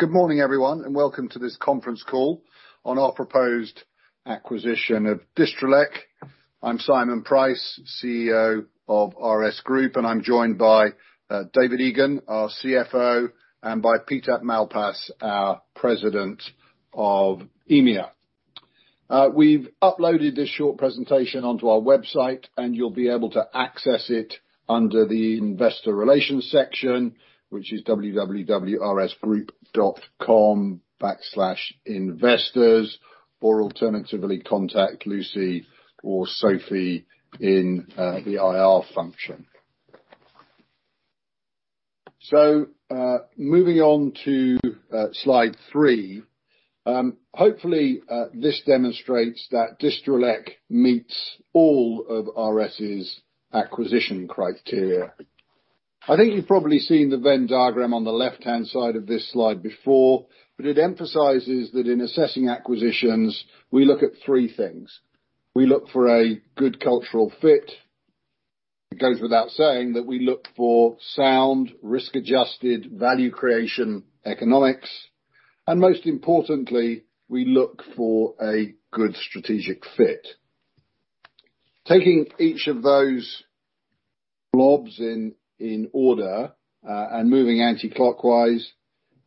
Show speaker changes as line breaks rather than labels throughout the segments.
Good morning, everyone, and welcome to this conference call on our proposed acquisition of Distrelec. I'm Simon Pryce, CEO of RS Group, and I'm joined by David Egan, our CFO, and by Pete Malpas, our President of EMEA. We've uploaded this short presentation onto our website, and you'll be able to access it under the investor relations section, which is www.rsgroup.com/investors, or alternatively, contact Lucy or Sophie in the IR function. Moving on to slide three. Hopefully, this demonstrates that Distrelec meets all of RS' acquisition criteria. I think you've probably seen the Venn diagram on the left-hand side of this slide before, but it emphasizes that in assessing acquisitions, we look at three things. We look for a good cultural fit. It goes without saying that we look for sound risk-adjusted value creation economics, and most importantly, we look for a good strategic fit. Taking each of those blobs in order, and moving anticlockwise,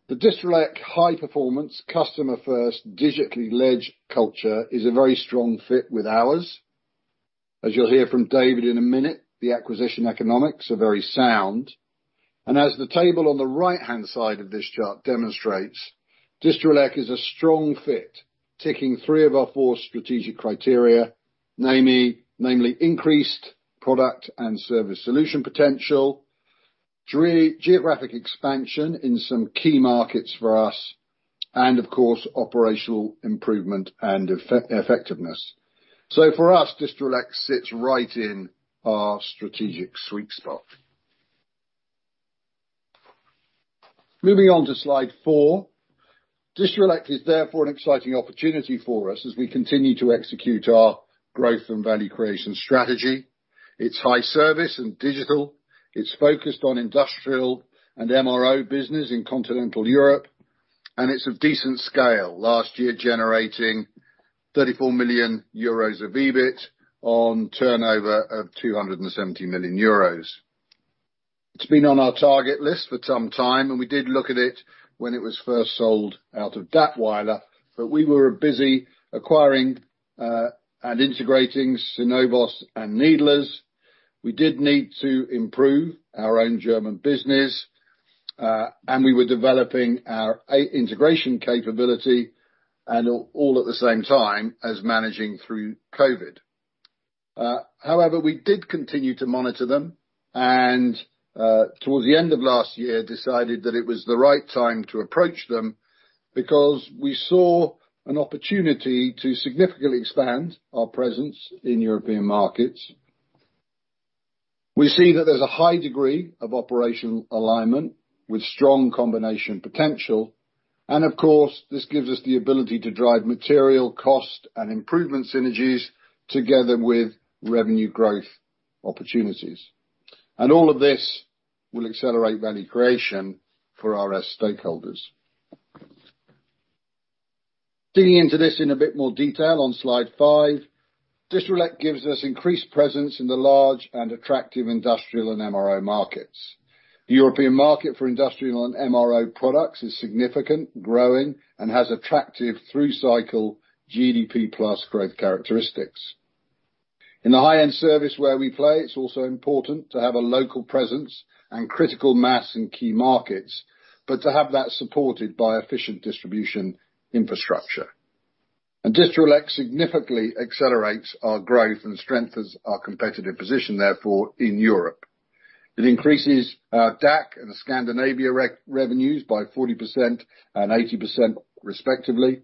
the Distrelec high-performance, customer-first digitally led culture is a very strong fit with ours. As you'll hear from David in a minute, the acquisition economics are very sound. As the table on the right-hand side of this chart demonstrates, Distrelec is a strong fit, ticking three of our four strategic criteria, namely increased product and service solution potential, geographic expansion in some key markets for us, and of course, operational improvement and effectiveness. For us, Distrelec sits right in our strategic sweet spot. Moving on to slide four. Distrelec is therefore an exciting opportunity for us as we continue to execute our growth and value creation strategy. It's high service and digital. It's focused on industrial and MRO business in continental Europe, and it's of decent scale. Last year, generating 34 million euros of EBIT on turnover of 270 million euros. It's been on our target list for some time, and we did look at it when it was first sold out of Dätwyler, but we were busy acquiring and integrating Synovos and Needlers. We did need to improve our own German business, and we were developing our integration capability and all at the same time as managing through COVID. However, we did continue to monitor them and, towards the end of last year, decided that it was the right time to approach them because we saw an opportunity to significantly expand our presence in European markets. We see that there's a high degree of operational alignment with strong combination potential, of course, this gives us the ability to drive material cost and improvement synergies together with revenue growth opportunities. All of this will accelerate value creation for RS stakeholders. Digging into this in a bit more detail on slide five, Distrelec gives us increased presence in the large and attractive industrial and MRO markets. The European market for industrial and MRO products is significant, growing, and has attractive through-cycle GDP plus growth characteristics. In the high-end service where we play, it's also important to have a local presence and critical mass in key markets, to have that supported by efficient distribution infrastructure. Distrelec significantly accelerates our growth and strengthens our competitive position, therefore in Europe. It increases our DACH and the Scandinavia re-revenues by 40% and 80%, respectively.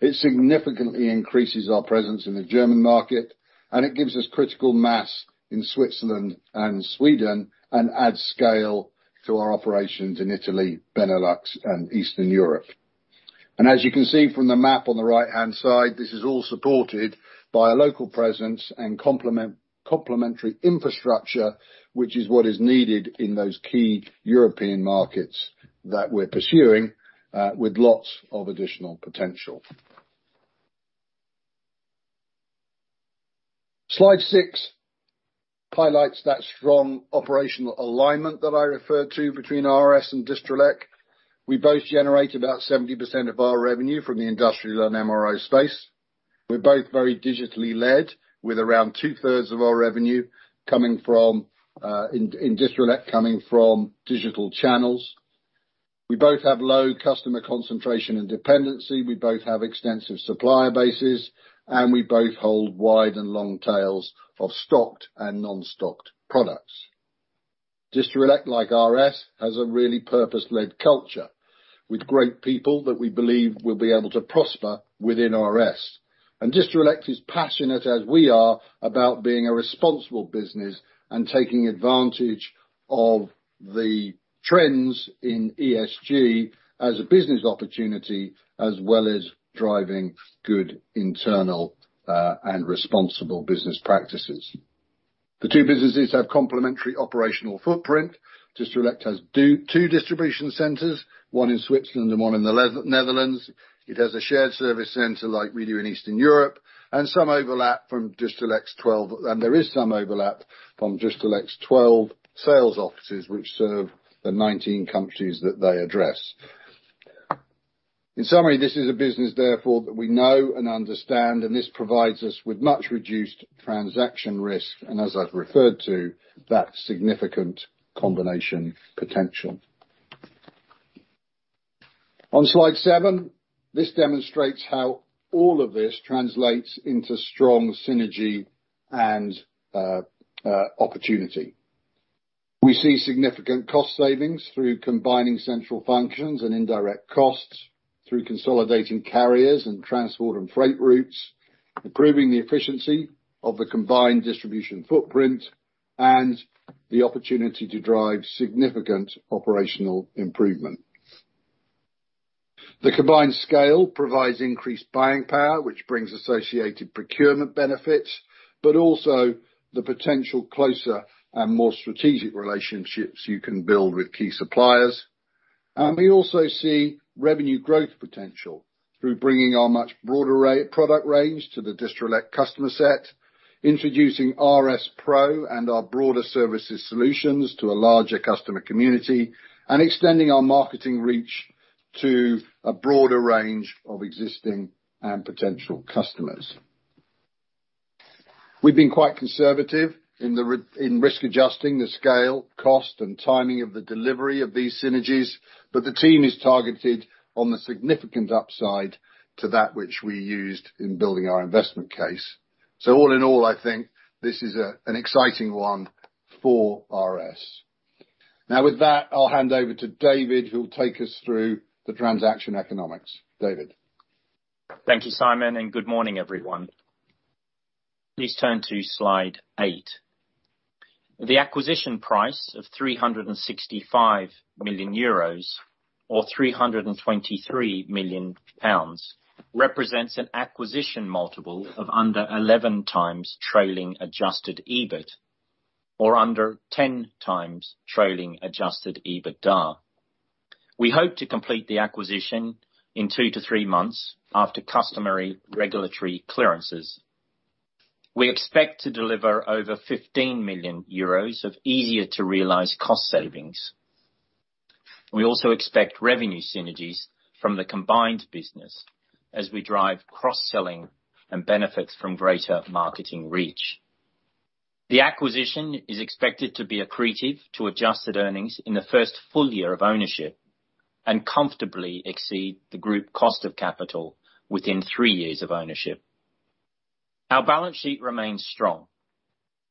It significantly increases our presence in the German market. It gives us critical mass in Switzerland and Sweden and adds scale to our operations in Italy, Benelux, and Eastern Europe. As you can see from the map on the right-hand side, this is all supported by a local presence and complementary infrastructure, which is what is needed in those key European markets that we're pursuing with lots of additional potential. Slide six highlights that strong operational alignment that I referred to between RS and Distrelec. We both generate about 70% of our revenue from the industrial and MRO space. We're both very digitally led, with around 2/3 of our revenue coming from in Distrelec, coming from digital channels. We both have low customer concentration and dependency. We both have extensive supplier bases, and we both hold wide and long tails of stocked and non-stocked products. Distrelec, like RS, has a really purpose-led culture with great people that we believe will be able to prosper within RS. Distrelec is passionate as we are about being a responsible business and taking advantage of the trends in ESG as a business opportunity, as well as driving good internal and responsible business practices. The two businesses have complementary operational footprint. Distrelec has two distribution centers, one in Switzerland and one in the Netherlands. It has a shared service center like we do in Eastern Europe. There is some overlap from Distrelec's 12 sales offices which serve the 19 countries that they address. In summary, this is a business, therefore, that we know and understand, and this provides us with much reduced transaction risk, and as I've referred to, that significant combination potential. On slide seven, this demonstrates how all of this translates into strong synergy and opportunity. We see significant cost savings through combining central functions and indirect costs through consolidating carriers and transport and freight routes, improving the efficiency of the combined distribution footprint, and the opportunity to drive significant operational improvement. The combined scale provides increased buying power, which brings associated procurement benefits, but also the potential closer and more strategic relationships you can build with key suppliers. We also see revenue growth potential through bringing our much broader product range to the Distrelec customer set, introducing RS PRO and our broader services solutions to a larger customer community, and extending our marketing reach to a broader range of existing and potential customers. We've been quite conservative in risk adjusting the scale, cost, and timing of the delivery of these synergies, but the team is targeted on the significant upside to that which we used in building our investment case. All in all, I think this is an exciting one for RS. Now, with that, I'll hand over to David, who will take us through the transaction economics. David?
Thank you, Simon, and good morning, everyone. Please turn to slide eight. The acquisition price of 365 million euros or 323 million pounds represents an acquisition multiple of under 11 times trailing adjusted EBIT or under 10x trailing adjusted EBITDA. We hope to complete the acquisition in two to thrree months after customary regulatory clearances. We expect to deliver over 15 million euros of easier-to-realize cost savings. We also expect revenue synergies from the combined business as we drive cross-selling and benefits from greater marketing reach. The acquisition is expected to be accretive to adjusted earnings in the first full year of ownership and comfortably exceed the group cost of capital within three years of ownership. Our balance sheet remains strong.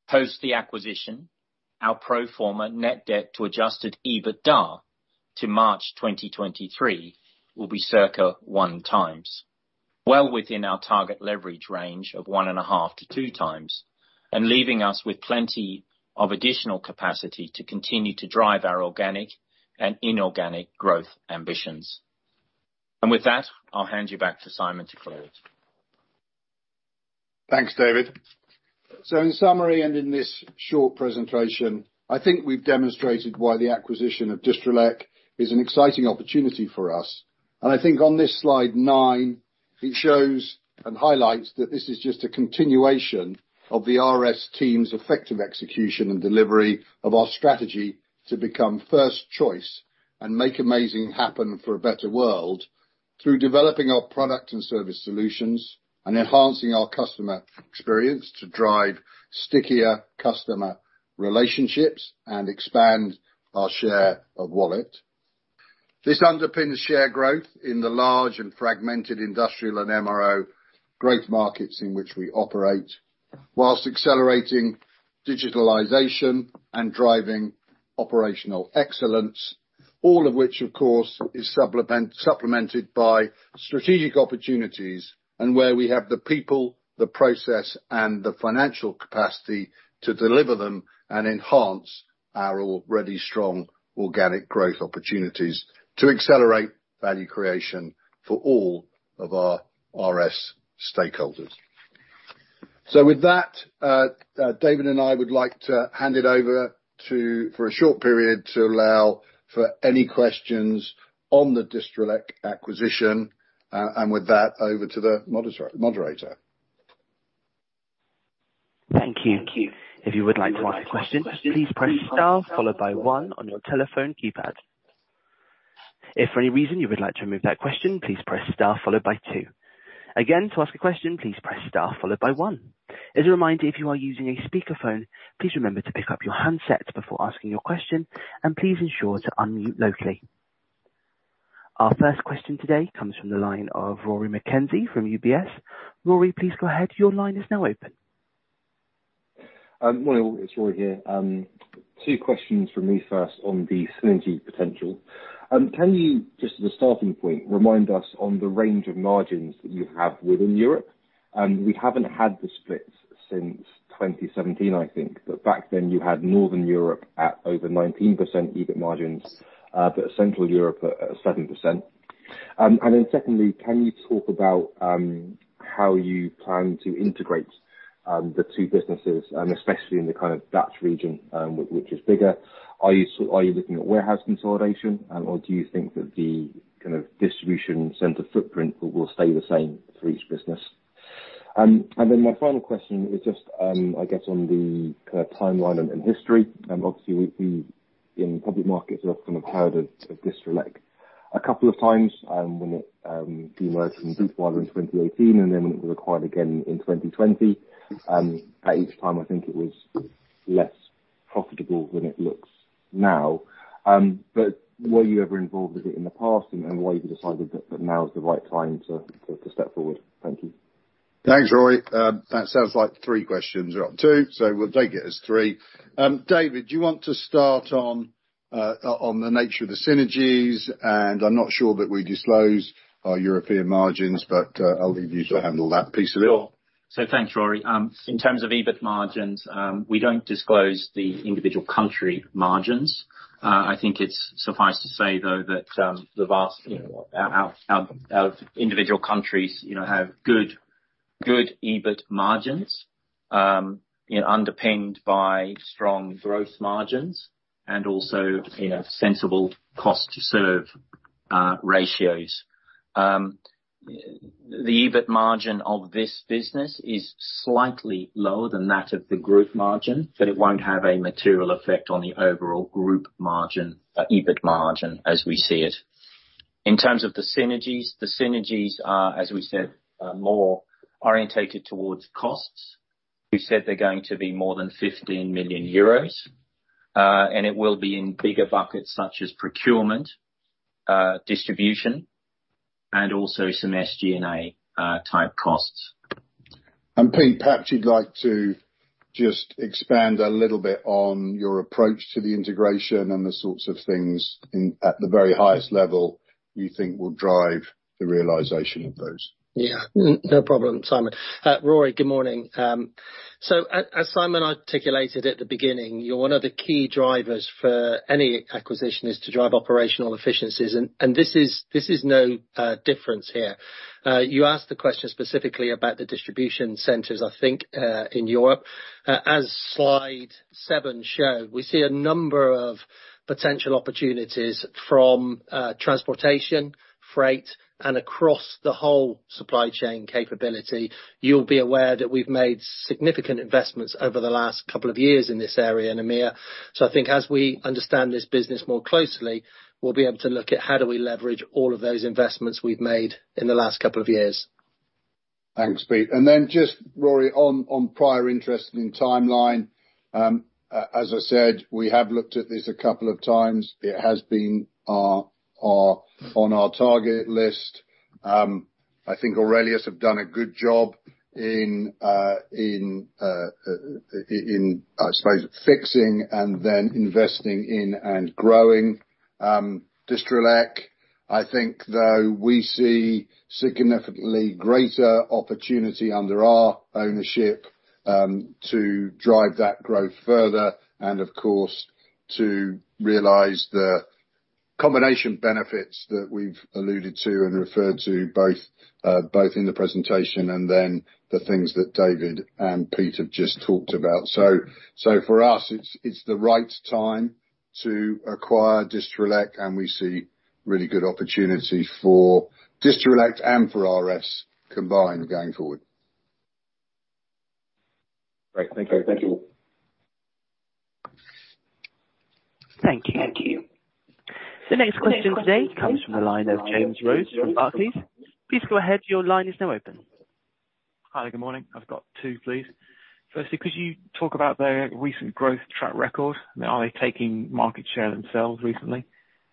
Post the acquisition, our pro forma net debt to adjusted EBITDA to March 2023 will be circa one times, well within our target leverage range of 1.5-2 times, leaving us with plenty of additional capacity to continue to drive our organic and inorganic growth ambitions. With that, I'll hand you back to Simon to close.
Thanks, David. In summary and in this short presentation, I think we've demonstrated why the acquisition of Distrelec is an exciting opportunity for us. I think on this slide nine, it shows and highlights that this is just a continuation of the RS team's effective execution and delivery of our strategy to become first choice and make amazing happen for a better world through developing our product and service solutions and enhancing our customer experience to drive stickier customer relationships and expand our share of wallet. This underpins share growth in the large and fragmented industrial and MRO growth markets in which we operate, whilst accelerating digitalization and driving operational excellence, all of which, of course, is supplemented by strategic opportunities and where we have the people, the process, and the financial capacity to deliver them and enhance our already strong organic growth opportunities to accelerate value creation for all of our RS stakeholders. With that, David and I would like to hand it over to, for a short period to allow for any questions on the Distrelec acquisition. With that, over to the moderator.
Thank you. If you would like to ask a question, please press Star followed by one on your telephone keypad. If for any reason you would like to remove that question, please press Star followed by two. Again, to ask a question, please press Star followed by one. As a reminder, if you are using a speakerphone, please remember to pick up your handset before asking your question and please ensure to unmute locally. Our first question today comes from the line of Rory Mckenzie from UBS. Rory, please go ahead. Your line is now open.
Morning all. It's Rory here. Two questions from me first on the synergy potential. Can you, just as a starting point, remind us on the range of margins that you have within Europe? We haven't had the split since 2017, I think. Back then you had Northern Europe at over 19% EBIT margins, but Central Europe at 7%. Secondly, can you talk about how you plan to integrate the two businesses, especially in the kind of DACH region, which is bigger. Are you looking at warehouse consolidation? Do you think that the kind of distribution center footprint will stay the same for each business? My final question is just, I guess on the kinda timeline and history, and obviously we in public markets are often occurred of Distrelec a couple of times, when it demerged from Dätwyler in 2018 and then when it was acquired again in 2020. At each time I think it was less profitable than it looks now. Were you ever involved with it in the past and why have you decided that now is the right time to step forward? Thank you.
Thanks, Rory. That sounds like three questions or two, so we'll take it as three. David, do you want to start on the nature of the synergies? I'm not sure that we disclose our European margins, but I'll leave you to handle that piece of it.
Sure. Thanks, Rory. In terms of EBIT margins, we don't disclose the individual country margins. I think it's suffice to say though that, the vast, you know, our individual countries, you know, have good EBIT margins, you know, underpinned by strong growth margins and also, you know, sensible cost to serve ratios. The EBIT margin of this business is slightly lower than that of the group margin, but it won't have a material effect on the overall group margin, EBIT margin, as we see it. In terms of the synergies, the synergies are, as we said, are more orientated towards costs. We've said they're going to be more than 15 million euros, and it will be in bigger buckets such as procurement, distribution, and also some SG&A type costs.
Pete, perhaps you'd like to just expand a little bit on your approach to the integration and the sorts of things in, at the very highest level you think will drive the realization of those.
Yeah. No problem, Simon. Rory, good morning. As Simon articulated at the beginning, one of the key drivers for any acquisition is to drive operational efficiencies, and this is no difference here. You asked the question specifically about the distribution centers, I think, in Europe. As slide seven showed, we see a number of potential opportunities from transportation, freight, and across the whole supply chain capability. You'll be aware that we've made significant investments over the last couple of years in this area in EMEA. I think as we understand this business more closely, we'll be able to look at how do we leverage all of those investments we've made in the last couple of years.
Thanks, Pete. Just Rory on prior interest in timeline. As I said, we have looked at this a couple of times. It has been on our target list. I think AURELIUS have done a good job in, I suppose, fixing and then investing in and growing, Distrelec. I think though we see significantly greater opportunity under our ownership, to drive that growth further and of course, to realize the combination benefits that we've alluded to and referred to both in the presentation and then the things that David and Pete have just talked about. For us, it's the right time to acquire Distrelec, and we see really good opportunity for Distrelec and for RS combined going forward.
Great. Thank you. Thank you.
Thank you. The next question today comes from the line of James Rose from Barclays. Please go ahead. Your line is now open.
Hi, good morning. I've got two, please. Firstly, could you talk about the recent growth track record? Are they taking market share themselves recently?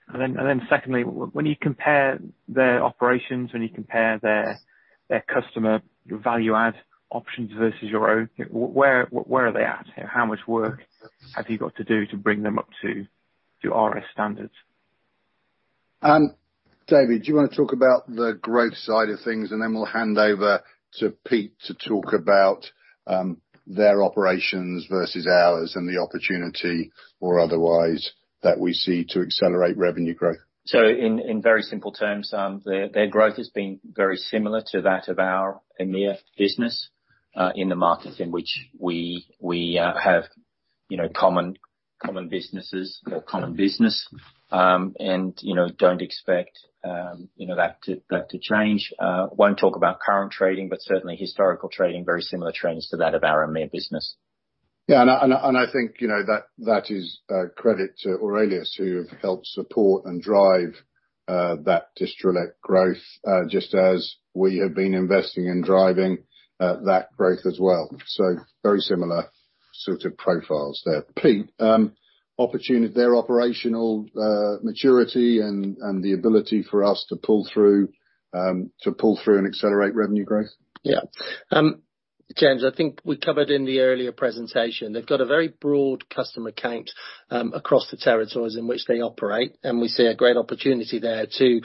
Secondly, when you compare their operations, when you compare their customer value add options versus your own, where are they at? How much work have you got to do to bring them up to your RS standards?
David, do you wanna talk about the growth side of things? We'll hand over to Pete to talk about their operations versus ours and the opportunity or otherwise that we see to accelerate revenue growth.
In very simple terms, their growth has been very similar to that of our EMEA business, in the markets in which we have, you know, common businesses or common business. You know, don't expect, you know, that to change. Won't talk about current trading but certainly historical trading, very similar trends to that of our EMEA business.
Yeah. I think, you know, that is a credit to AURELIUS who have helped support and drive that Distrelec growth, just as we have been investing in driving that growth as well. Very similar sort of profiles there. Pete, opportunity, their operational maturity and the ability for us to pull through and accelerate revenue growth.
James, I think we covered in the earlier presentation, they've got a very broad customer count across the territories in which they operate, and we see a great opportunity there to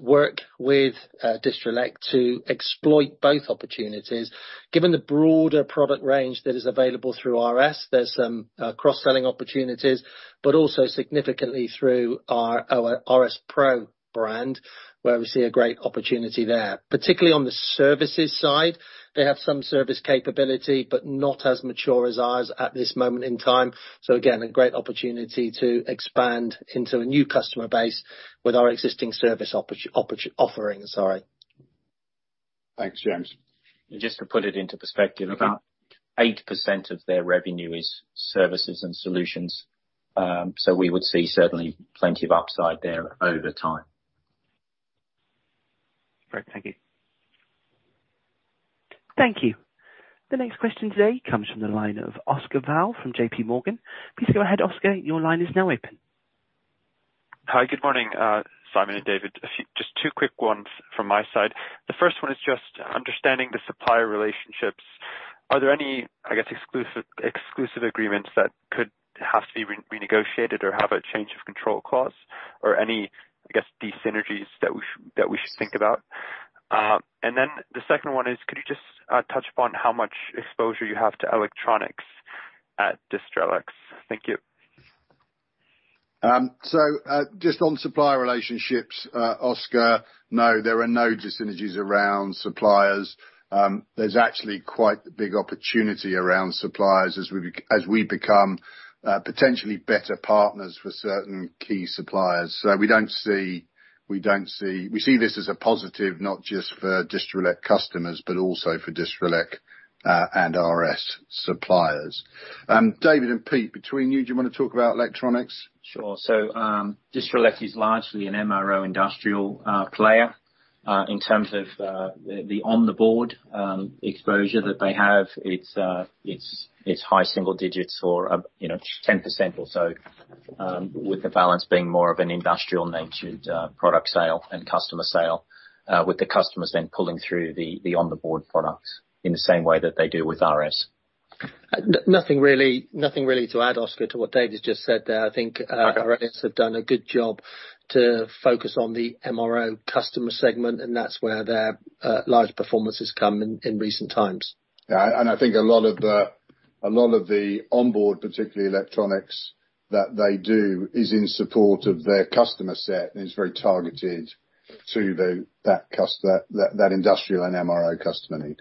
work with Distrelec to exploit both opportunities. Given the broader product range that is available through RS, there's some cross-selling opportunities, but also significantly through our RS PRO brand, where we see a great opportunity there. Particularly on the services side, they have some service capability, but not as mature as ours at this moment in time. Again, a great opportunity to expand into a new customer base with our existing service offering, sorry.
Thanks, James.
Just to put it into perspective, about 8% of their revenue is services and solutions, so we would see certainly plenty of upside there over time.
Great. Thank you.
Thank you. The next question today comes from the line of Oscar Val from JPMorgan. Please go ahead, Oscar. Your line is now open.
Hi. Good morning, Simon and David. Just two quick ones from my side. The first one is just understanding the supplier relationships. Are there any, I guess exclusive agreements that could have to be re-negotiated or have a change of control clause or any, I guess, desynergies that we should think about? The second one is could you just touch upon how much exposure you have to electronics at Distrelec? Thank you.
Just on supplier relationships, Oscar, no, there are no desynergies around suppliers. There's actually quite the big opportunity around suppliers as we become potentially better partners for certain key suppliers. We see this as a positive, not just for Distrelec customers, but also for Distrelec and RS suppliers. David and Pete, between you, do you wanna talk about electronics?
Sure. Distrelec is largely an MRO industrial player in terms of the on the board exposure that they have. It's high single digits or, you know, 10% or so, with the balance being more of an industrial-natured product sale and customer sale, with the customers then pulling through the on the board products in the same way that they do with RS.
Nothing really to add, Oscar, to what David just said there. I think.
Okay...
RS have done a good job to focus on the MRO customer segment, and that's where their large performances come in recent times.
Yeah. I think a lot of the onboard, particularly electronics that they do, is in support of their customer set, and it's very targeted to the that industrial and MRO customer need.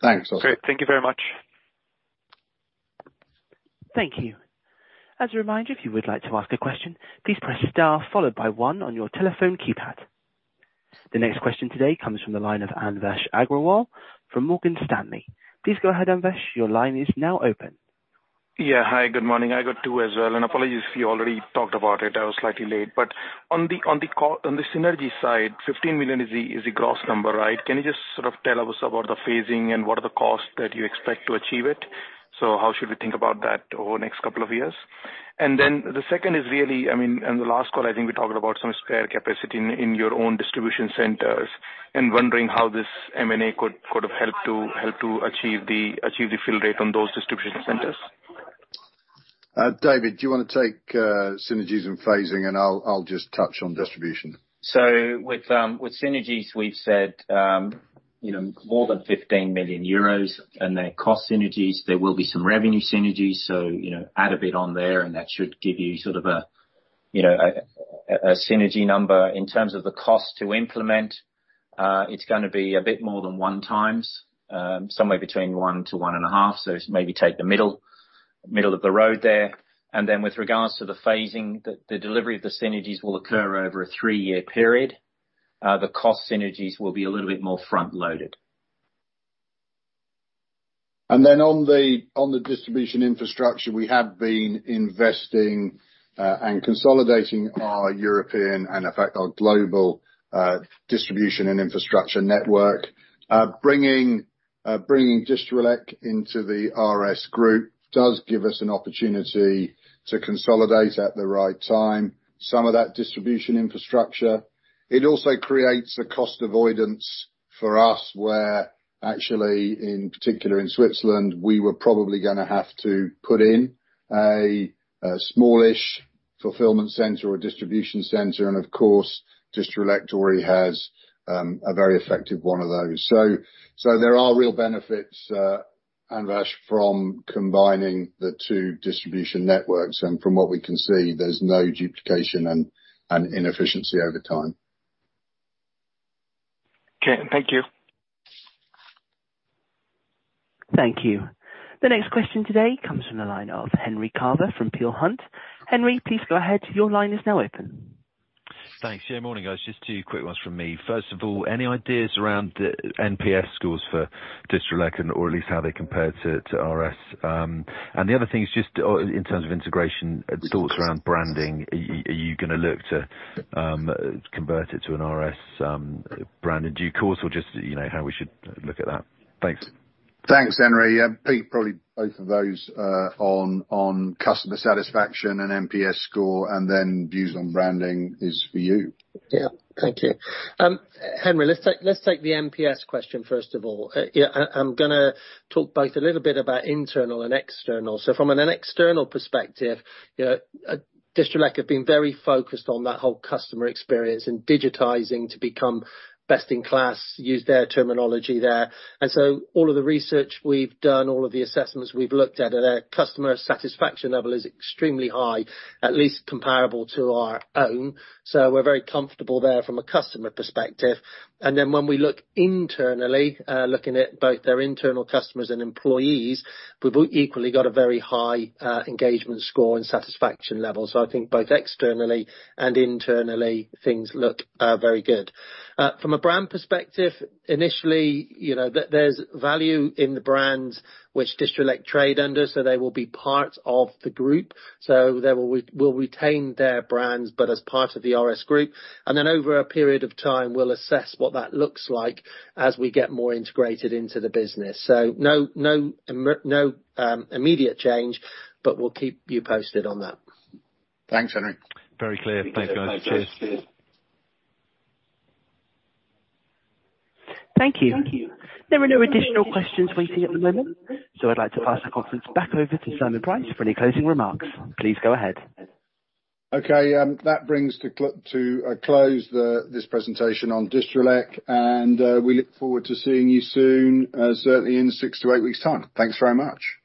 Thanks, Oscar.
Great. Thank you very much.
Thank you. As a reminder, if you would like to ask a question, please press star followed by one on your telephone keypad. The next question today comes from the line of Anvesh Agrawal from Morgan Stanley. Please go ahead, Anvesh. Your line is now open.
Hi, good morning. I got two as well. Apologies if you already talked about it, I was slightly late. On the synergy side, 15 million is the gross number, right? Can you just sort of tell us about the phasing and what are the costs that you expect to achieve it? How should we think about that over the next couple of years? The second is really, I mean, on the last call, I think we talked about some spare capacity in your own distribution centers, and wondering how this M&A could have helped to achieve the fill rate on those distribution centers.
David, do you wanna take synergies and phasing, and I'll just touch on distribution.
With synergies, we've said, you know, more than 15 million euros, and they're cost synergies. There will be some revenue synergies, so, you know, add a bit on there and that should give you sort of a, you know, a synergy number. In terms of the cost to implement, it's gonna be a bit more than 1one times, somewhere between 1-1.5, so maybe take the middle of the road there. With regards to the phasing, the delivery of the synergies will occur over a three-year period. The cost synergies will be a little bit more front-loaded.
On the distribution infrastructure, we have been investing and consolidating our European and, in fact, our global distribution and infrastructure network. Bringing Distrelec into the RS Group does give us an opportunity to consolidate at the right time some of that distribution infrastructure. It also creates a cost avoidance for us, where actually, in particular in Switzerland, we were probably gonna have to put in a smallish fulfillment center or distribution center, and of course, Distrelec already has a very effective one of those. There are real benefits, Anvesh, from combining the two distribution networks, and from what we can see, there's no duplication and inefficiency over time.
Okay. Thank you.
Thank you. The next question today comes from the line of Henry Carver from Peel Hunt. Henry, please go ahead. Your line is now open.
Thanks. Yeah, morning, guys. Just two quick ones from me. First of all, any ideas around the NPS scores for Distrelec, or at least how they compare to RS? The other thing is just in terms of integration, thoughts around branding. Are you gonna look to convert it to an RS brand in due course or just, you know, how we should look at that? Thanks.
Thanks, Henry. Pete, probably both of those, on customer satisfaction and NPS score, and then views on branding is for you.
Yeah. Thank you. Henry, let's take the NPS question first of all. Yeah, I'm gonna talk both a little bit about internal and external. From an external perspective, you know, Distrelec have been very focused on that whole customer experience and digitizing to become best in class, use their terminology there. All of the research we've done, all of the assessments we've looked at, their customer satisfaction level is extremely high, at least comparable to our own. We're very comfortable there from a customer perspective. When we look internally, looking at both their internal customers and employees, we've equally got a very high engagement score and satisfaction level. I think both externally and internally, things look very good. From a brand perspective, initially, you know, there's value in the brands which Distrelec trade under. They will be part of the group. They will retain their brands, but as part of the RS Group. Over a period of time, we'll assess what that looks like as we get more integrated into the business. No immediate change, but we'll keep you posted on that.
Thanks, Henry.
Very clear. Thanks, guys. Cheers.
Thank you. There are no additional questions waiting at the moment, I'd like to pass the conference back over to Simon Pryce for any closing remarks. Please go ahead.
Okay. That brings the close the, this presentation on Distrelec, and we look forward to seeing you soon, certainly in six to eight weeks' time. Thanks very much.